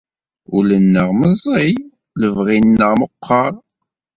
Ul-nneɣ meẓẓi, lebɣi-nneɣ meqqer.